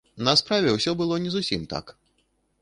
На справе ўсё было не зусім так.